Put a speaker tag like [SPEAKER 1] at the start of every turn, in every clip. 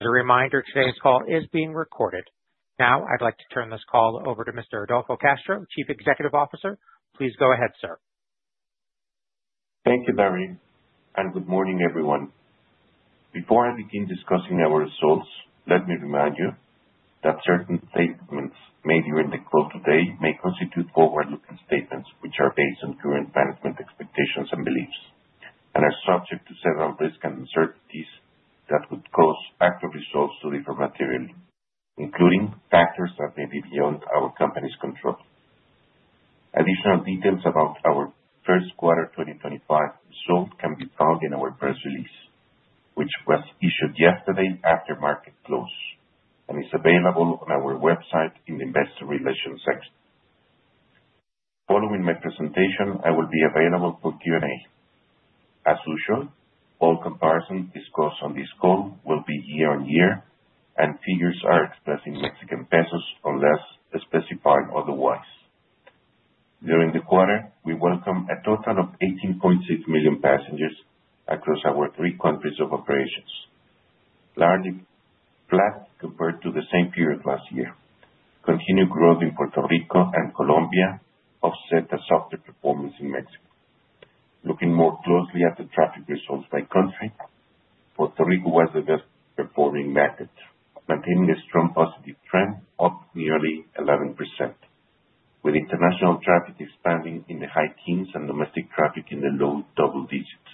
[SPEAKER 1] As a reminder, today's call is being recorded. Now, I'd like to turn this call over to Mr. Adolfo Castro, Chief Executive Officer. Please go ahead, sir.
[SPEAKER 2] Thank you, Daryl, and good morning, everyone. Before I begin discussing our results, let me remind you that certain statements made during the call today may constitute forward-looking statements, which are based on current management expectations and beliefs, and are subject to several risks and uncertainties that could cause actual results to differ materially, including factors that may be beyond our company's control. Additional details about our first quarter 2025 results can be found in our press release, which was issued yesterday after market close, and is available on our website in the investor relations section. Following my presentation, I will be available for Q&A. As usual, all comparisons discussed on this call will be year-on-year, and figures are expressed in MXN unless specified otherwise. During the quarter, we welcomed a total of 18.6 million passengers across our three countries of operations. Flat compared to the same period last year. Continued growth in Puerto Rico and Colombia offset the softer performance in Mexico. Looking more closely at the traffic results by country, Puerto Rico was the best-performing market, maintaining a strong positive trend of nearly 11%, with international traffic expanding in the high teens and domestic traffic in the low double digits.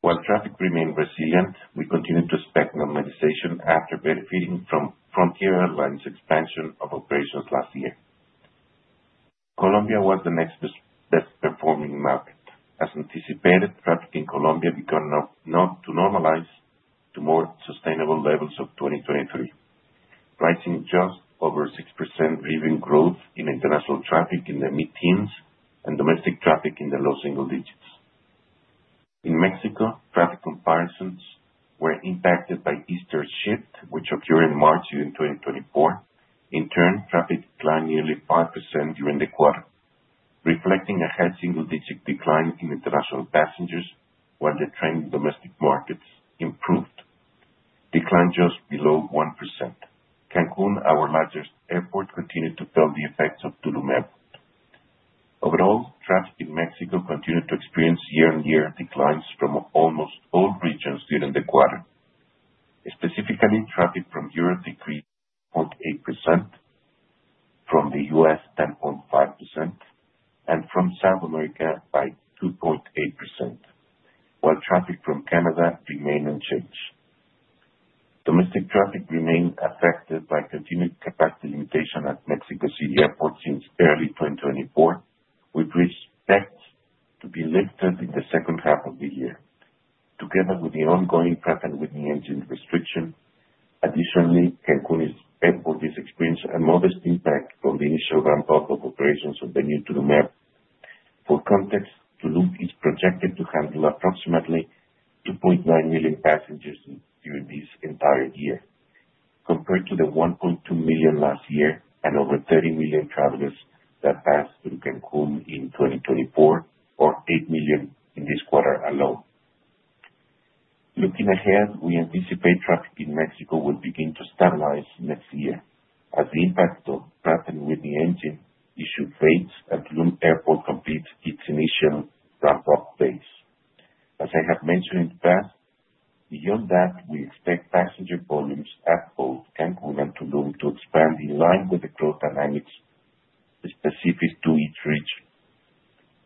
[SPEAKER 2] While traffic remained resilient, we continued to expect normalization after benefiting from Frontier Airlines' expansion of operations last year. Colombia was the next best-performing market. As anticipated, traffic in Colombia began to normalize to more sustainable levels of 2023, rising just over 6%, leaving growth in international traffic in the mid-teens and domestic traffic in the low single digits. In Mexico, traffic comparisons were impacted by Easter shift, which occurred in March 2024. In turn, traffic declined nearly 5% during the quarter, reflecting a high single-digit decline in international passengers while the trend in domestic markets improved, declined just below 1%. Cancun, our largest airport, continued to feel the effects of Tulum Airport. Overall, traffic in Mexico continued to experience year-on-year declines from almost all regions during the quarter. Specifically, traffic from Europe decreased 0.8%, from the U.S. 10.5%, and from South America by 2.8%, while traffic from Canada remained unchanged. Domestic traffic remained affected by continued capacity limitations at Mexico City Airport since early 2024, which is expected to be lifted in the second half of the year, together with the ongoing Pratt & Whitney engine restriction. Additionally, Cancun Airport is experiencing a modest impact from the initial ramp-up of operations of the new Tulum Airport. For context, Tulum is projected to handle approximately 2.9 million passengers during this entire year, compared to the 1.2 million last year and over 30 million travelers that passed through Cancun in 2024, or 8 million in this quarter alone. Looking ahead, we anticipate traffic in Mexico will begin to stabilize next year, as the impact of Pratt & Whitney engine issue fades as Tulum Airport completes its initial ramp-up phase. As I have mentioned in the past, beyond that, we expect passenger volumes at both Cancun and Tulum to expand in line with the growth dynamics specific to each region.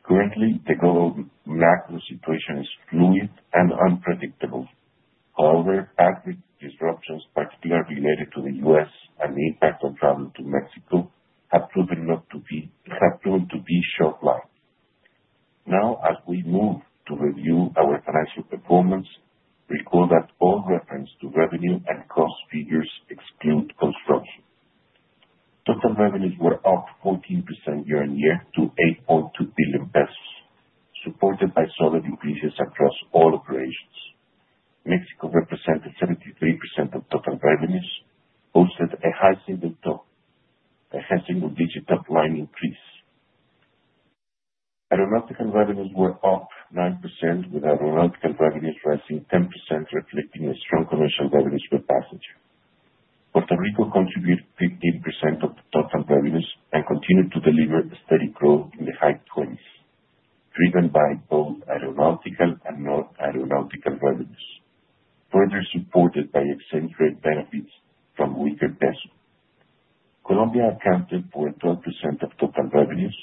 [SPEAKER 2] Currently, the global macro situation is fluid and unpredictable. However, past disruptions, particularly related to the U.S. and the impact on travel to Mexico, have proven not to be short-lived. Now, as we move to review our financial performance, recall that all reference to revenue and cost figures exclude construction. Total revenues were up 14% year-on-year to 8.2 billion pesos, supported by solid increases across all operations. Mexico represented 73% of total revenues, posted a high single-digit top-line increase. Aeronautical revenues were up 9%, with aeronautical revenues rising 10%, reflecting a strong commercial revenues per passenger. Puerto Rico contributed 15% of the total revenues and continued to deliver steady growth in the high 20s, driven by both aeronautical and non-aeronautical revenues, further supported by exchange rate benefits from weaker peso. Colombia accounted for 12% of total revenues,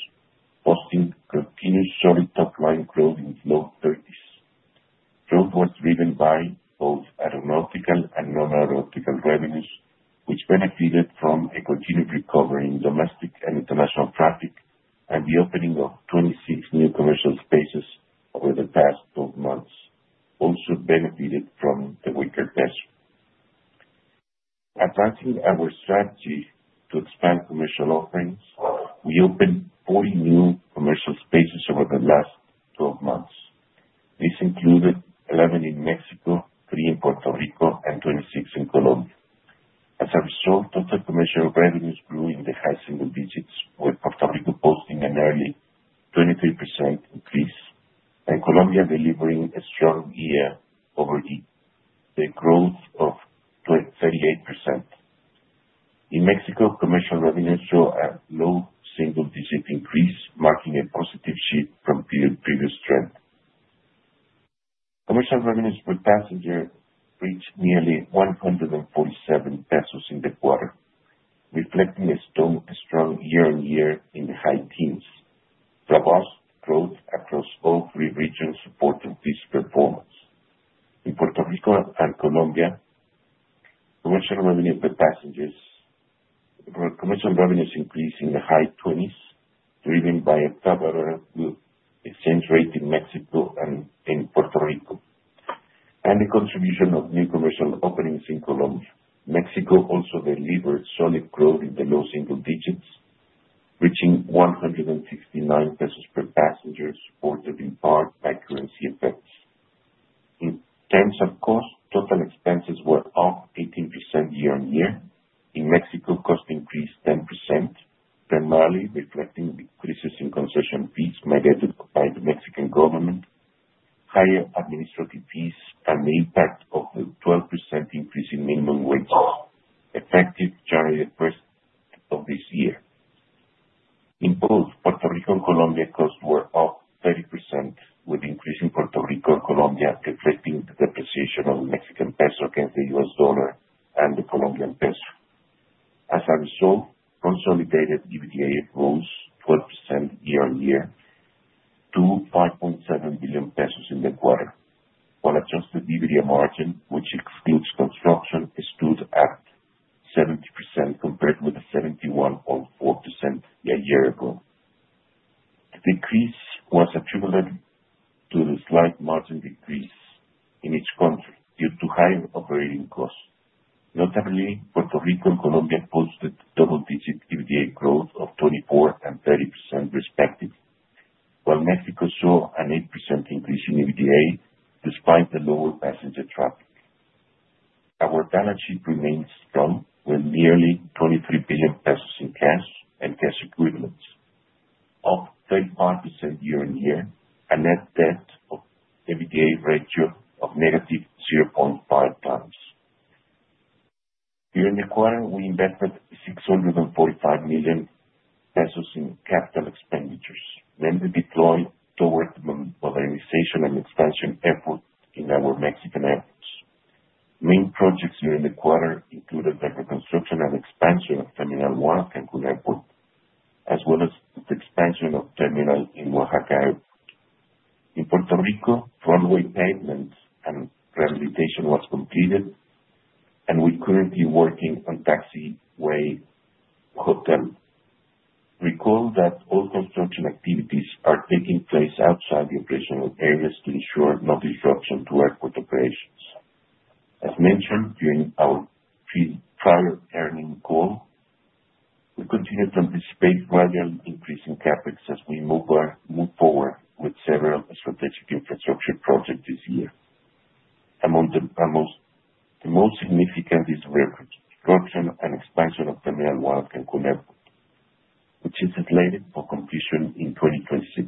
[SPEAKER 2] which is slated for completion in 2026.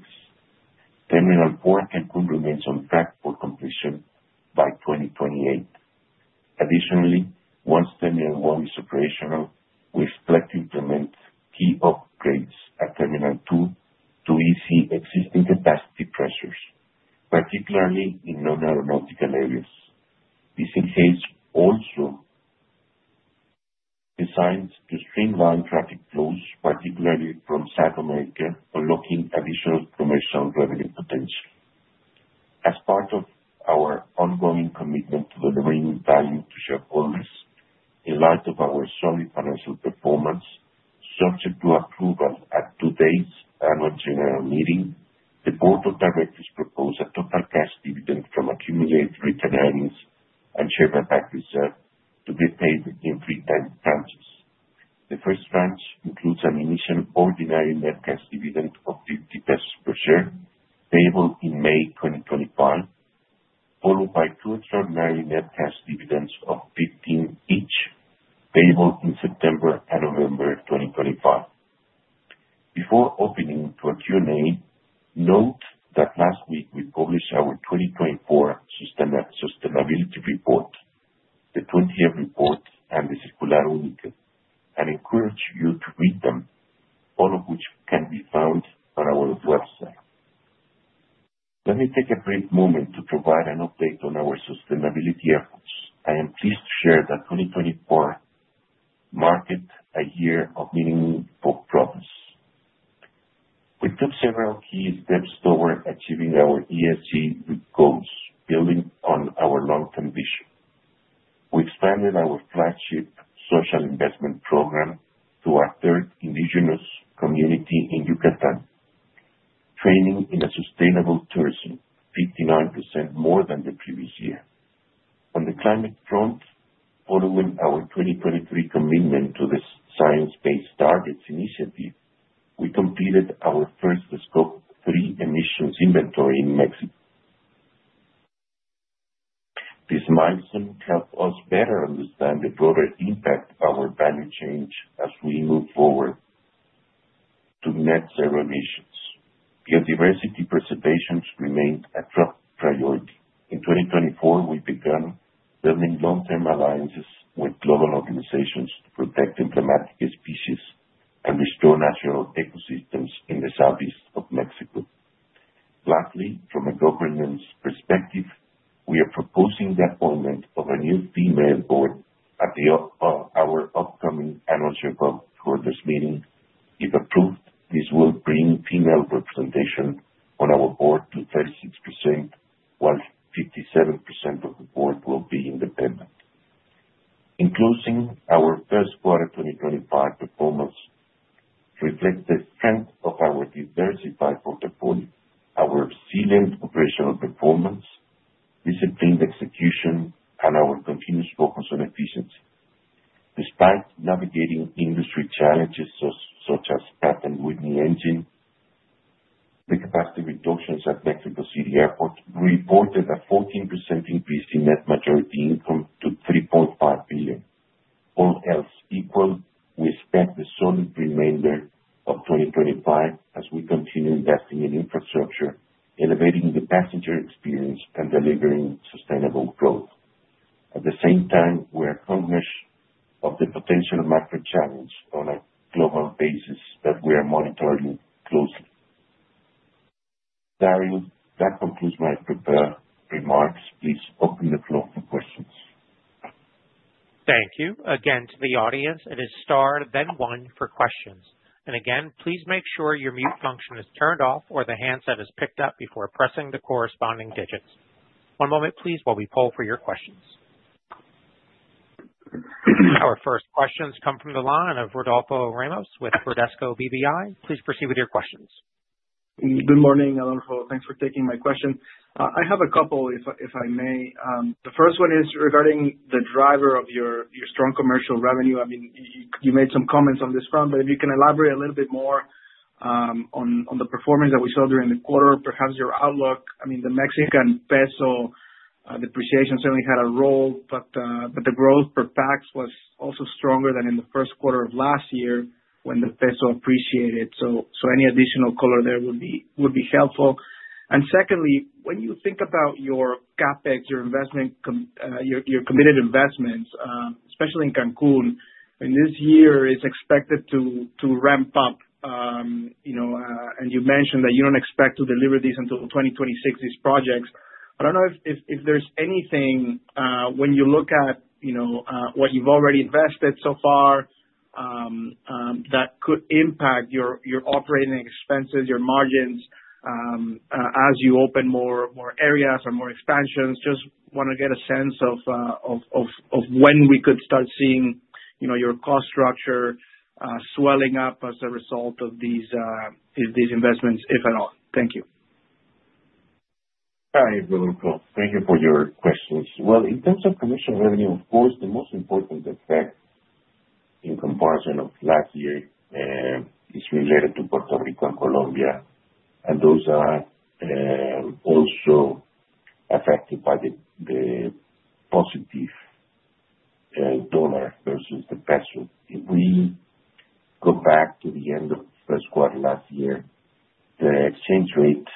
[SPEAKER 2] Terminal 4 at Cancun remains on track for completion by 2028. Additionally, once Terminal 1 is operational, we expect to implement key upgrades at Terminal 2 to ease existing capacity pressures, particularly in non-aeronautical areas. This enhanced also designs to streamline traffic flows, particularly from South America, unlocking additional commercial revenue potential. As part of our ongoing commitment to delivering value to shareholders, in light of our solid financial performance, subject to approval at today's annual general meeting, the board of directors proposed a total cash dividend from accumulated retained earnings and share buyback reserve to be paid in three times tranches. The first tranche includes an initial ordinary net cash dividend of 50 pesos per share, payable in May 2025, followed by two extraordinary net cash dividends of 15 each, payable in September and November 2025. Before opening to a Q&A, note that last week we published our 2024 sustainability report, the 20th report, and the circular. I encourage you to read them, all of which can be found on our website. Let me take a brief moment to provide an update on our sustainability efforts. I am pleased to share that 2024 marked a year of meaningful progress. We took several key steps toward achieving our ESG goals, building on our long-term vision. We expanded our flagship social investment program to our third indigenous community in Yucatán, training in sustainable tourism, 59% more than the previous year. On the climate front, following our 2023 commitment to the Science Based Targets initiative, we completed our first scope 3 emissions inventory in Mexico. This milestone helped us better understand the broader impact of our value chain as we move forward to net zero emissions. Biodiversity preservation remained a top priority. In 2024, we began building long-term alliances with global organizations to protect emblematic species and restore natural ecosystems in the southeast of Mexico. Lastly, from a governance perspective, we are proposing the appointment of a new female board at our upcoming annual circle for this meeting. If approved, this will bring female representation on our board to 36%, while 57% of the board will be independent. In closing, our first quarter 2025 performance reflects the strength of our diversified portfolio, our excellent operational performance, disciplined execution, and our continuous focus on efficiency. Despite navigating industry challenges such as Pratt & Whitney engine, the capacity reductions at Mexico City Airport reported a 14% increase in net majority income to 3.5 billion, all else equal. We expect the solid remainder of 2025 as we continue investing in infrastructure, elevating the passenger experience, and delivering sustainable growth. At the same time, we are conscious of the potential macro challenge on a global basis that we are monitoring closely. Daryl, that concludes my remarks. Please open the floor for questions.
[SPEAKER 1] Thank you. Again, to the audience, it is star, then one for questions. Again, please make sure your mute function is turned off or the handset is picked up before pressing the corresponding digits. One moment, please, while we poll for your questions. Our first questions come from line and Rodolfo Ramos with Bradesco BBI. Please proceed with your questions.
[SPEAKER 3] Good morning, Adolfo. Thanks for taking my question. I have a couple, if I may. The first one is regarding the driver of your strong commercial revenue. I mean, you made some comments on this front, but if you can elaborate a little bit more on the performance that we saw during the quarter, perhaps your outlook. I mean, the Mexican peso depreciation certainly had a role, but the growth per peso was also stronger than in the first quarter of last year when the peso appreciated. Any additional color there would be helpful. Secondly, when you think about your CapEx, your committed investments, especially in Cancun, this year is expected to ramp up. You mentioned that you do not expect to deliver these until 2026, these projects. I do not know if there is anything, when you look at what you have already invested so far, that could impact your operating expenses, your margins as you open more areas or more expansions. Just want to get a sense of when we could start seeing your cost structure swelling up as a result of these investments, if at all. Thank you.
[SPEAKER 2] Hi, Rodolfo. Thank you for your questions. In terms of commercial revenue, of course, the most important effect in comparison of last year is related to Puerto Rico and Colombia, and those are also affected by the positive dollar versus the peso. If we go back to the end of the first quarter last year, the exchange rate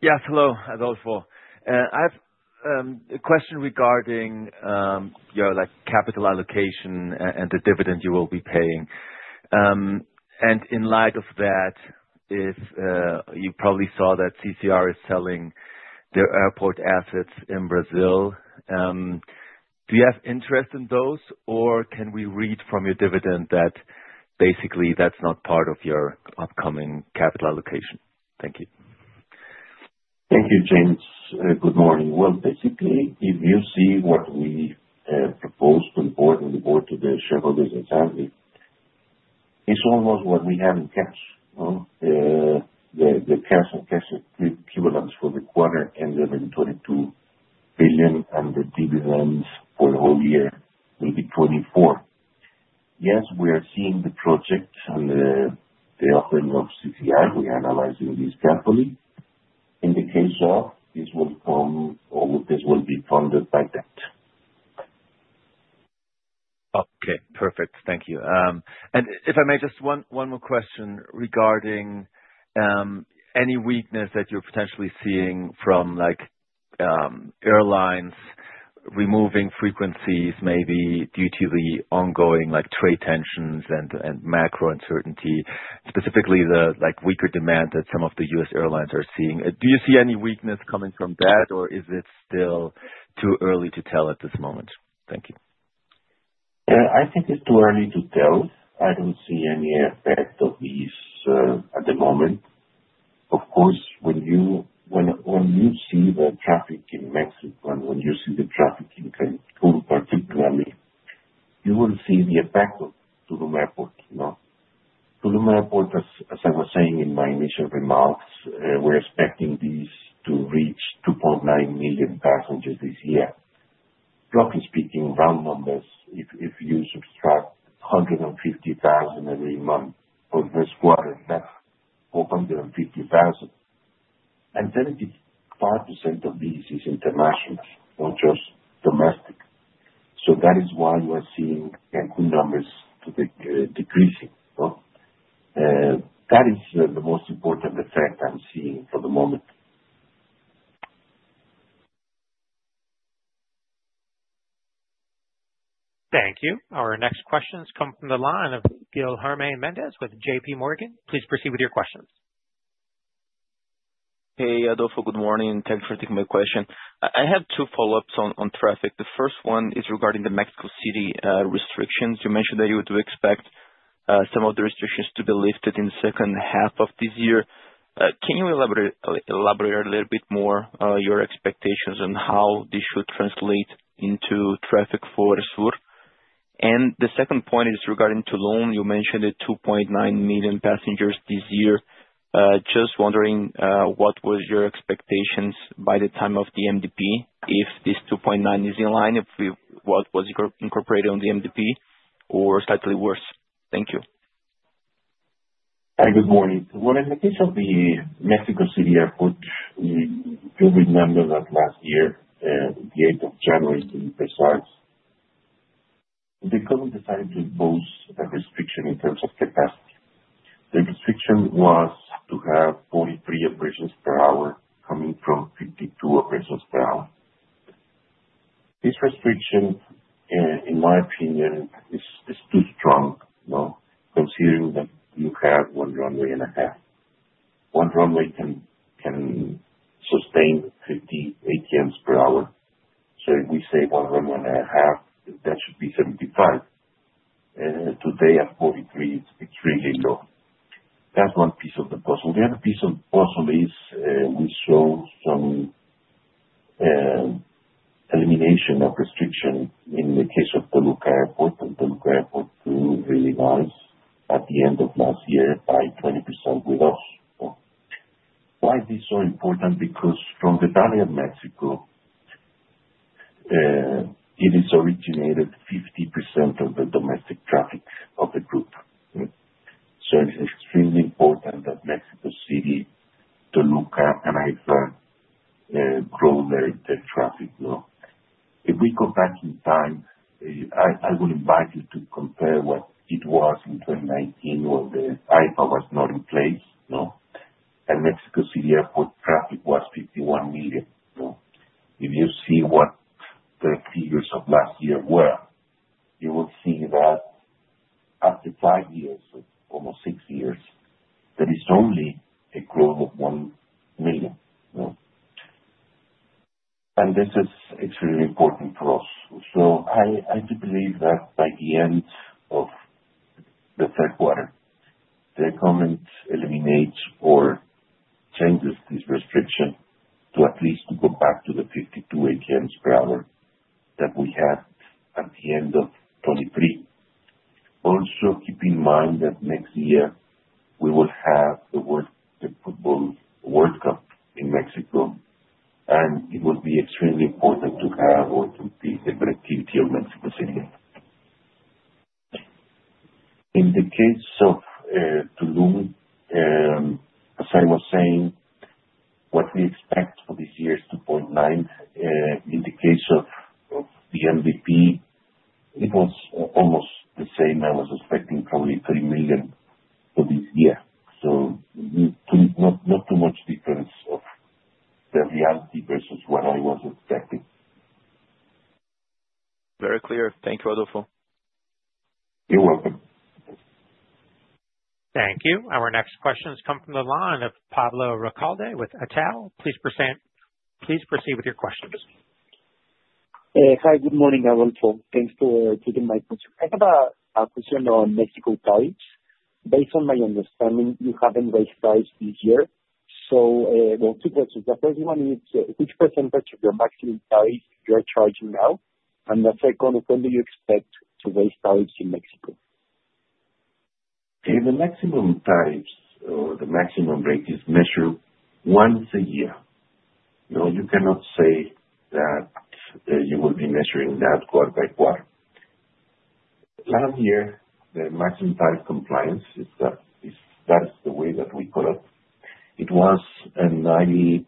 [SPEAKER 4] Yes. Hello, Adolfo. I have a question regarding your capital allocation and the dividend you will be paying. In light of that, you probably saw that CCR is selling their airport assets in Brazil. Do you have interest in those, or can we read from your dividend that basically that's not part of your upcoming capital allocation? Thank you.
[SPEAKER 2] Thank you, Jens. Good morning. Basically, if you see what we propose to the board and the board to the shareholders and family, it's almost what we have in cash. The cash and cash equivalents for the quarter ended in 22 billion, and the dividends for the whole year will be 24 billion. Yes, we are seeing the projects and the offering of CCR. We are analyzing this carefully. In the case of, this will be funded by that.
[SPEAKER 4] Okay. Perfect. Thank you. If I may, just one more question regarding any weakness that you're potentially seeing from airlines removing frequencies, maybe due to the ongoing trade tensions and macro uncertainty, specifically the weaker demand that some of the U.S. airlines are seeing. Do you see any weakness coming from that, or is it still too early to tell at this moment? Thank you.
[SPEAKER 2] Yeah. I think it's too early to tell. I don't see any effect of these at the moment. Of course, when you see the traffic in Mexico, and when you see the traffic in Cancun, particularly, you will see the impact of Tulum Airport. Tulum Airport, as I was saying in my initial remarks, we're expecting these to reach 2.9 million passengers this year. Roughly speaking, round numbers, if you subtract 150,000 every month for this quarter, that's 450,000. And 35% of these is international, not just domestic. That is why we're seeing Cancun numbers decreasing. That is the most important effect I'm seeing for the moment.
[SPEAKER 1] Thank you. Our next questions come from line Guilherme Mendes with JP Morgan. Please proceed with your questions.
[SPEAKER 5] Hey, Adolfo. Good morning. Thanks for taking my question. I have two follow-ups on traffic. The first one is regarding the Mexico City restrictions. You mentioned that you would expect some of the restrictions to be lifted in the second half of this year. Can you elaborate a little bit more on your expectations and how this should translate into traffic for ASUR? The second point is regarding Tulum. You mentioned the 2.9 million passengers this year. Just wondering what were your expectations by the time of the MDP, if this 2.9 is in line, if it was incorporated on the MDP, or slightly worse? Thank you.
[SPEAKER 2] Hi, good morning. In the case of the Mexico City Airport, you remember that last year, the 8th of January in Brussels, the government decided to impose a restriction in terms of capacity. The restriction was to have 43 operations per hour coming from 52 operations per hour. This restriction, in my opinion, is too strong considering that you have one runway and a half. One runway can sustain 50 ATMs per hour. If we say one runway and a half, that should be 75. Today, at 43, it is really low. That is one piece of the puzzle. The other piece of the puzzle is we saw some elimination of restriction in the case of Toluca Airport. Toluca Airport grew really nice at the end of last year by 20% with us. Why is this so important? Because from the valley of Mexico, it is originated 50% of the domestic traffic of the group. It is extremely important that Mexico City, Toluca, and AIFA grow their traffic. If we go back in time, I will invite you to compare what it was in 2019 when the AIFA was not in place, and Mexico City Airport traffic was 51 million. If you see what the figures of last year were, you will see that after five years, almost six years, there is only a growth of 1 million. This is extremely important for us. I do believe that by the end of the third quarter, the government eliminates or changes this restriction to at least go back to the 52 ATMs per hour that we had at the end of 2023. Also, keep in mind that next year we will have the football World Cup in Mexico, and it will be extremely important to have or to improve the connectivity of Mexico City. In the case of Tulum, as I was saying, what we expect for this year is 2.9. In the case of the MDP, it was almost the same. I was expecting probably 3 million for this year. Not too much difference of the reality versus what I was expecting.
[SPEAKER 5] Very clear. Thank you, Adolfo.
[SPEAKER 2] You're welcome.
[SPEAKER 1] Thank you. Our next questions come from line of Pablo Recalde with Itau. Please proceed with your questions. Hi, good morning, Adolfo. Thanks for taking my question. I have a question on Mexico tariffs. Based on my understanding, you haven't raised tariffs this year. Two questions. The first one is, which percentage of your maximum tariffs you are charging now? The second is, when do you expect to raise tariffs in Mexico?
[SPEAKER 2] The maximum tariffs or the maximum rate is measured once a year. You cannot say that you will be measuring that quarter by quarter. Last year, the maximum tariff compliance, if that is the way that we call it, it was 99%.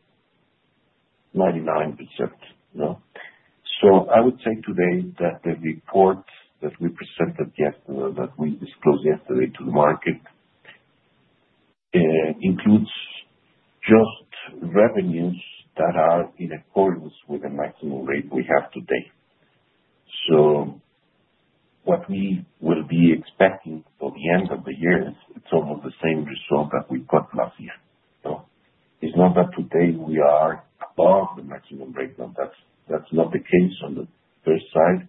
[SPEAKER 2] I would say today that the report that we presented yesterday, that we disclosed yesterday to the market, includes just revenues that are in accordance with the maximum rate we have today. What we will be expecting for the end of the year is it's almost the same result that we got last year. It's not that today we are above the maximum rate. That's not the case on the first side.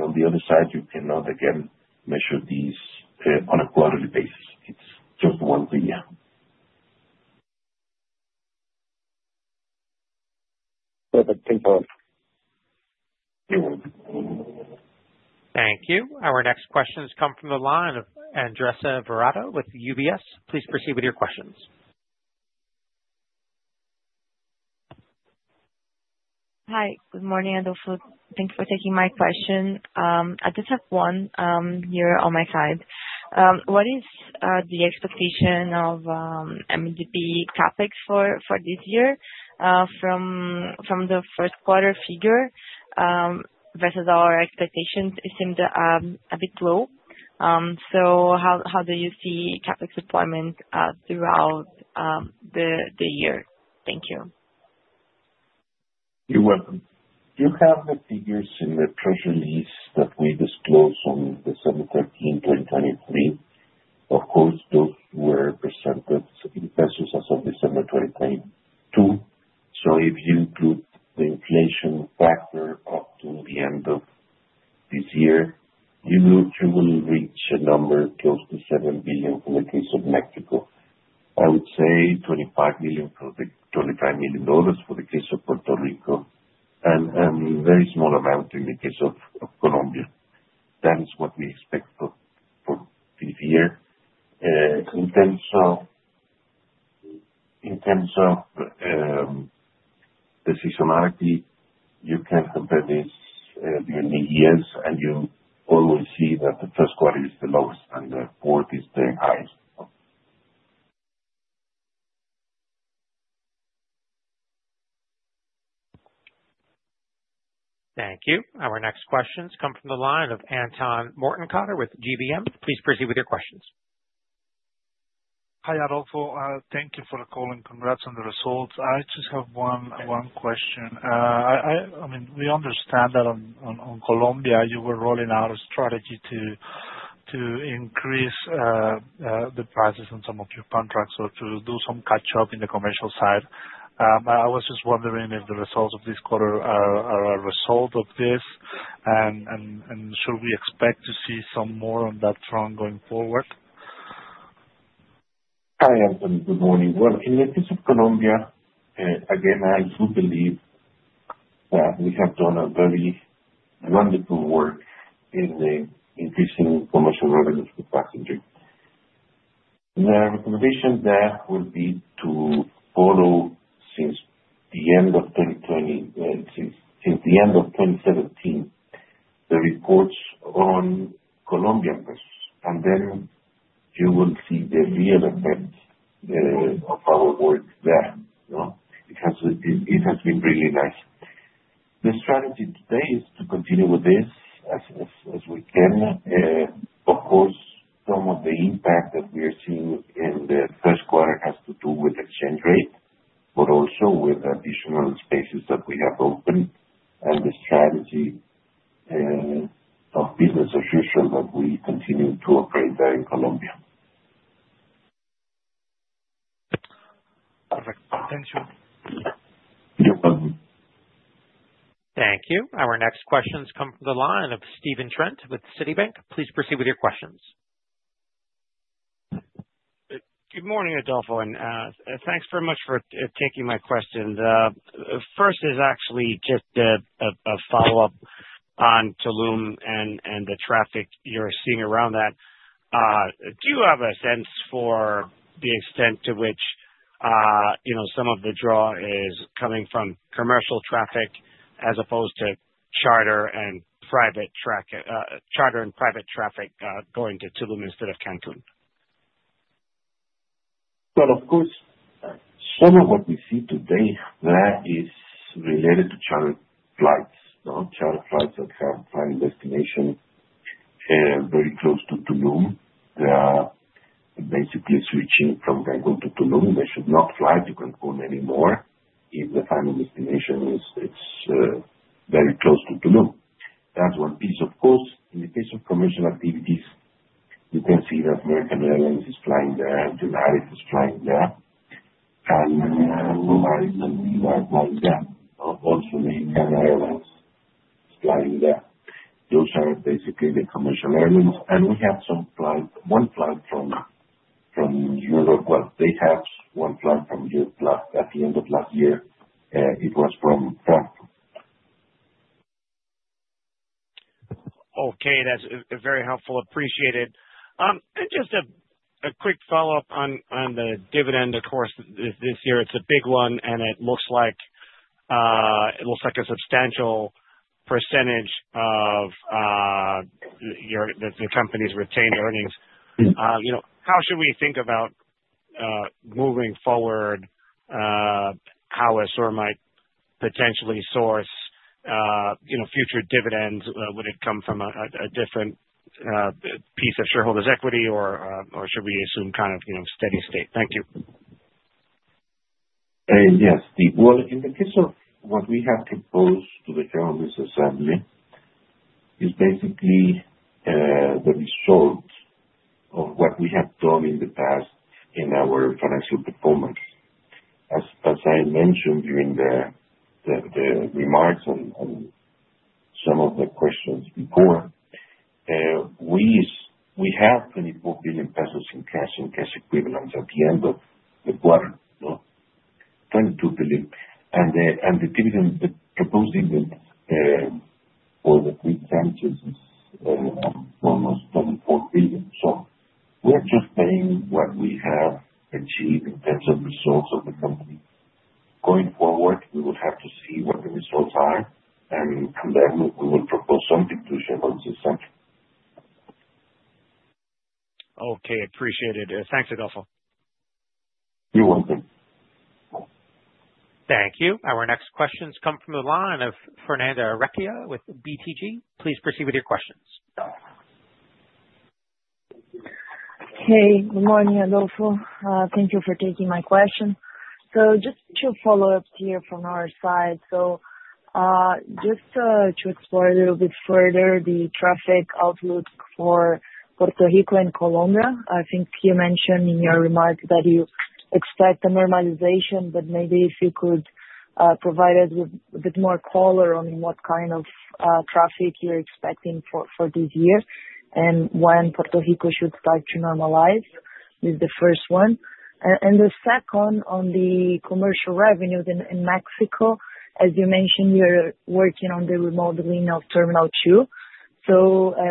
[SPEAKER 2] On the other side, you cannot, again, measure these on a quarterly basis. It's just once a year. Perfect. Thank you. You're welcome.
[SPEAKER 1] Thank you. Our next questions come from line of Andressa Varotto with UBS. Please proceed with your questions. Hi. Good morning, Adolfo. Thanks for taking my question. I just have one here on my side. What is the expectation of MDP CapEx for this year from the first quarter figure versus our expectations? It seemed a bit low. How do you see CapEx deployment throughout the year? Thank you.
[SPEAKER 2] You're welcome. You have the figures in the press release that we disclosed on December 13, 2023. Of
[SPEAKER 1] I was just wondering if the results of this quarter are a result of this, and should we expect to see some more on that front going forward?
[SPEAKER 2] Hi, Anton. Good morning. In the case of Colombia, again, I do believe that we have done a very wonderful work in increasing commercial revenues for passengers. The recommendation there would be to follow since the end of 2020, since the end of 2017, the reports on Colombian press, and then you will see the real effect of our work there. It has been really nice. The strategy today is to continue with this as we can. Of course, some of the impact that we are seeing in the first quarter has to do with exchange rate, but also with additional spaces that we have opened and the strategy of business as usual that we continue to operate there in Colombia. Perfect. Thank you. You're welcome.
[SPEAKER 1] Thank you. Our next questions come from Steve Trent with Citibank. Please proceed with your questions.
[SPEAKER 6] Good morning, Adolfo. And thanks very much for taking my questions. First is actually just a follow-up on Tulum and the traffic you're seeing around that. Do you have a sense for the extent to which some of the draw is coming from commercial traffic as opposed to charter and private traffic going to Tulum instead of Cancun?
[SPEAKER 2] Of course, some of what we see today is related to charter flights. Charter flights that have final destination very close to Tulum. They are basically switching from Cancun to Tulum. They should not fly to Cancun anymore if the final destination is very close to Tulum. That's one piece. Of course, in the case of commercial activities, you can see that American Airlines is flying there, United is flying there, and Bombardier and LILA are flying there. Also, the Canadian airlines is flying there. Those are basically the commercial airlines. We have one flight from Europe. They have one flight from Europe at the end of last year. It was from Frankfurt.
[SPEAKER 6] That is very helpful. Appreciate it. Just a quick follow-up on the dividend, of course, this year. It is a big one, and it looks like a substantial percentage of the company's retained earnings. How should we think about moving forward how ASUR might potentially source future dividends when it comes from a different piece of shareholders' equity, or should we assume kind of steady state? Thank you.
[SPEAKER 2] Yes, Steve. In the case of what we have proposed to the General Ministry Assembly, it's basically the result of what we have done in the past in our financial performance. As I mentioned during the remarks and some of the questions before, we have 24 billion pesos in cash and cash equivalent at the end of the quarter. 22 billion. The proposed dividend for the three branches is almost 24 billion. We are just paying what we have achieved in terms of results of the company. Going forward, we will have to see what the results are, and then we will propose something to the General Shareholders Assembly.
[SPEAKER 6] Appreciate it. Thanks, Adolfo.
[SPEAKER 2] You're welcome.
[SPEAKER 1] Thank you. Our next questions come from line of Fernanda Recchia with BTG. Please proceed with your questions.
[SPEAKER 7] Good morning, Adolfo. Thank you for taking my question. Just two follow-ups here from our side. Just to explore a little bit further the traffic outlook for Puerto Rico and Colombia. I think you mentioned in your remarks that you expect a normalization, but maybe if you could provide us with a bit more color on what kind of traffic you're expecting for this year and when Puerto Rico should start to normalize is the first one. The second on the commercial revenues in Mexico, as you mentioned, you're working on the remodeling of Terminal 2,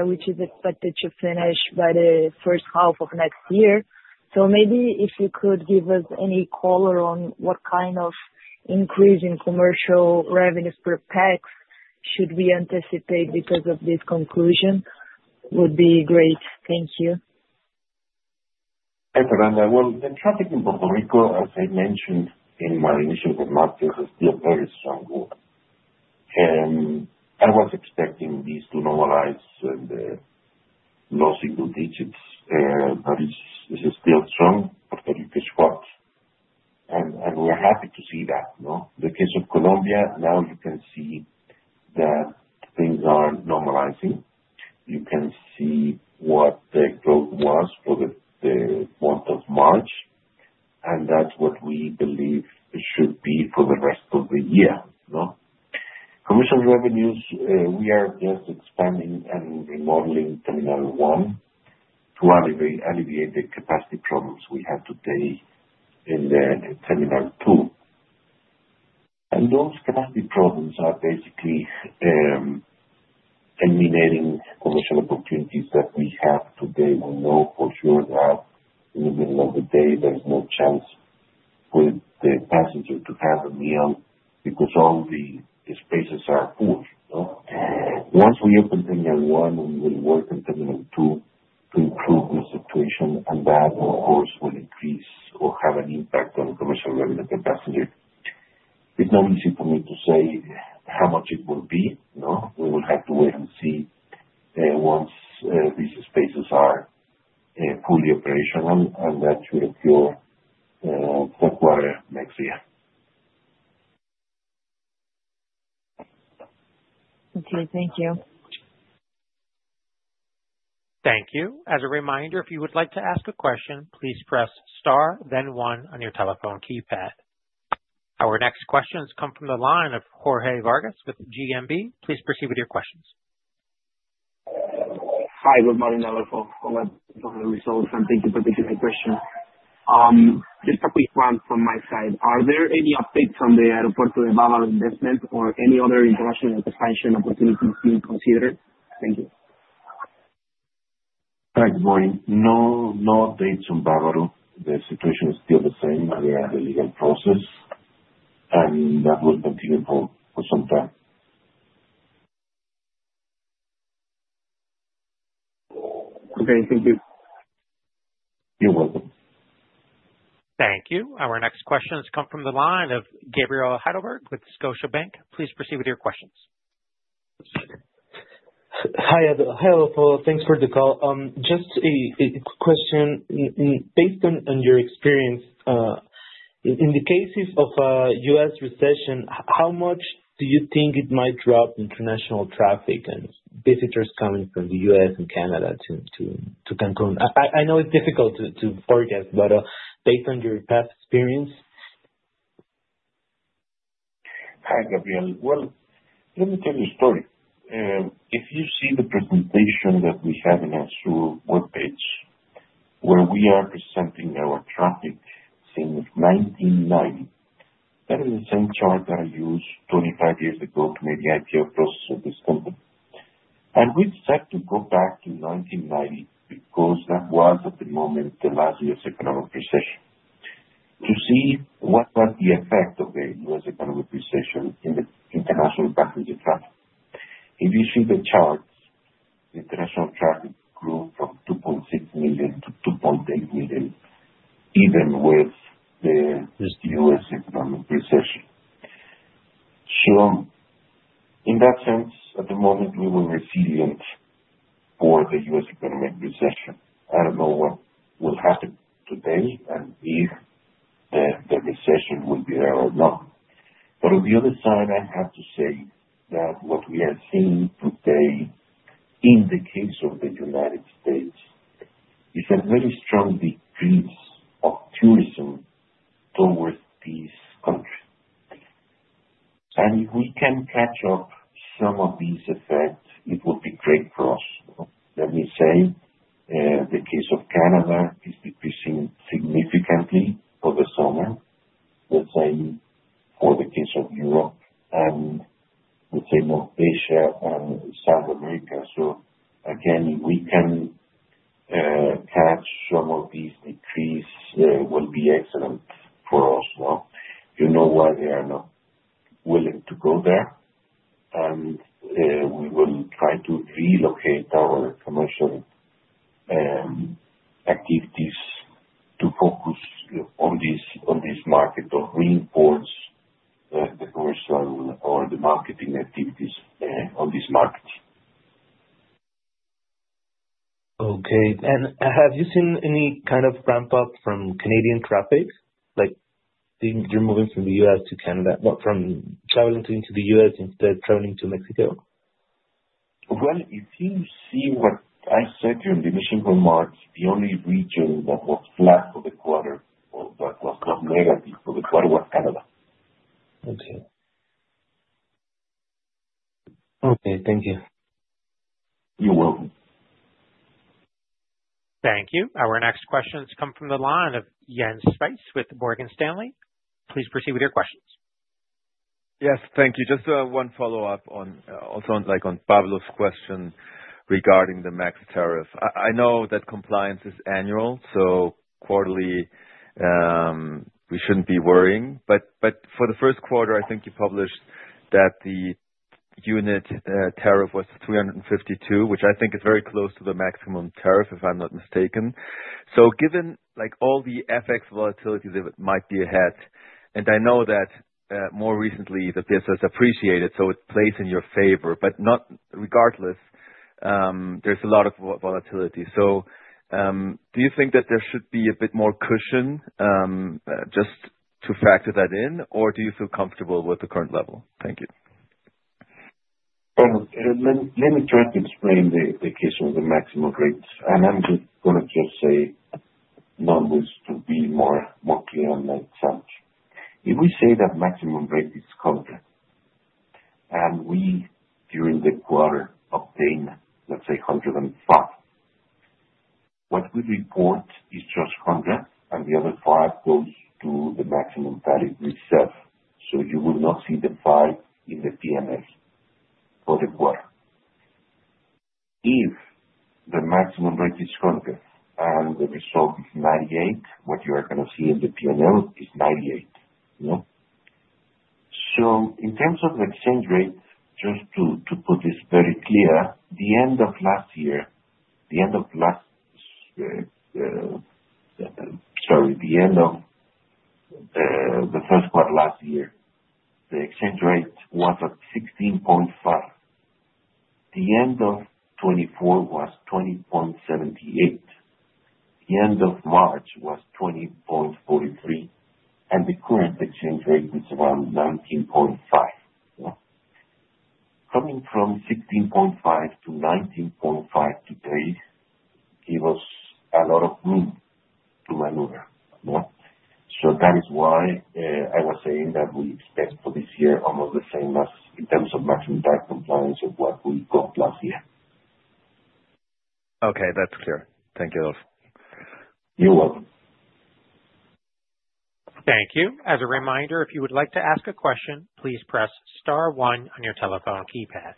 [SPEAKER 7] which is expected to finish by the first half of next year. Maybe if you could give us any color on what kind of increase in commercial revenues per peso should we anticipate because of this conclusion would be great. Thank you.
[SPEAKER 2] Thanks, Fernando. The traffic in Puerto Rico, as I mentioned in my initial remarks, is still very strong. I was expecting this to normalize in the low single digits, but it is still strong for the U.K. squad. We are happy to see that. In the case of Colombia, now you can see that things are normalizing. You can see what the growth was for the month of March, and that is what we believe should be for the rest of the year. Commercial revenues, we are just expanding and remodeling Terminal 1 to alleviate the capacity problems we have today in Terminal 2. Those capacity problems are basically eliminating commercial opportunities that we have today. We know for sure that in the middle of the day, there is no chance for the passenger to have a meal because all the spaces are full. Once we open Terminal 1, we will work on Terminal 2 to improve the situation, and that, of course, will increase or have an impact on commercial revenue per passenger. It's not easy for me to say how much it will be. We will have to wait and see once these spaces are fully operational, and that should occur for quarter next year.
[SPEAKER 7] Okay. Thank you.
[SPEAKER 1] Thank you. As a reminder, if you would like to ask a question, please press star, then one on your telephone keypad. Our next questions come from line of Jorge Vargas with GMB. Please proceed with your questions. Hi, good morning, Adolfo. Congrats on the results, and thank you for taking my question. Just a quick one from my side. Are there any updates on the Aeropuerto de Bávaro investment or any other international expansion opportunities being considered? Thank you.
[SPEAKER 2] Hi, good morning. No updates on Bávaro. The situation is still the same. We are in the legal process, and that will continue for some time. Okay. Thank you. You're welcome.
[SPEAKER 1] Thank you. Our next questions come from line of Gabriel Heidelberg with Scotiabank. Please proceed with your questions. Hi, Adolfo. Thanks for the call. Just a quick question. Based on your experience, in the cases of a U.S. recession, how much do you think it might drop international traffic and visitors coming from the U.S. and Canada to Cancun? I know it's difficult to forecast, but based on your past experience.
[SPEAKER 2] Hi, Gabriel. Let me tell you a story. If you see the presentation that we have in ASUR webpage where we are presenting our traffic since 1990, that is the same chart that I used 25 years ago to make the IPO process of this company. We decided to go back to 1990 because that was, at the moment, the last U.S. economic recession to see what was the effect of the U.S. economic recession in the international passenger traffic. If you see the chart, the international traffic grew from 2.6 million to 2.8 million even with or that was not negative for the quarter w.as Canada. Okay. Thank you. You're welcome.
[SPEAKER 1] Thank you. Our next questions come from line of Jens Spiess with Morgan Stanley. Please proceed with your questions.
[SPEAKER 4] Yes. Thank you. Just one follow-up on Pablo's question regarding the maximum tariff. I know that compliance is annual, so quarterly we shouldn't be worrying. For the first quarter, I think you published that the unit tariff was 352, which I think is very close to the maximum tariff, if I'm not mistaken. Given all the FX volatility that might be ahead, and I know that more recently the business has appreciated, it plays in your favor. Regardless, there is a lot of volatility. Do you think that there should be a bit more cushion just to factor that in, or do you feel comfortable with the current level? Thank you.
[SPEAKER 2] Let me try to explain the case of the maximum rates. To be more clear on my example, if we say that maximum rate is 100 and we, during the quarter, obtain, let's say, 105, what we report is just 100, and the other 5 goes to the maximum tariff itself. You will not see the 5 in the P&L for the quarter. If the maximum rate is 100 and the result is 98, what you are going to see in the P&L is 98. In terms of the exchange rate, just to put this very clear, the end of last year, sorry, the end of the first quarter last year, the exchange rate was at 16.5. The end of 2024 was 20.78. The end of March was 20.43, and the current exchange rate is around 19.5. Coming from 16.5 to 19.5 today gave us a lot of room to maneuver. That is why I was saying that we expect for this year almost the same as in terms of maximum tariff compliance of what we got last year.
[SPEAKER 4] Okay. That's clear. Thank you, Adolfo.
[SPEAKER 2] You're welcome.
[SPEAKER 1] Thank you. As a reminder, if you would like to ask a question, please press star one on your telephone keypad.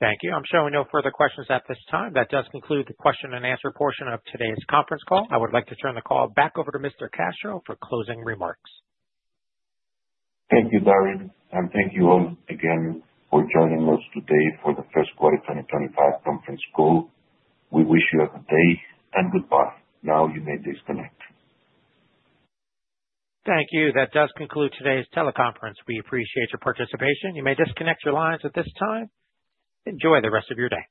[SPEAKER 1] Thank you. I'm showing no further questions at this time. That does conclude the question-and-answer portion of today's conference call. I would like to turn the call back over to Mr. Castro for closing remarks.
[SPEAKER 2] Thank you, Daryl. Thank you all again for joining us today for the first quarter 2025 conference call. We wish you a good day and goodbye. Now you may disconnect.
[SPEAKER 1] Thank you. That does conclude today's teleconference. We appreciate your participation. You may disconnect your lines at this time. Enjoy the rest of your day.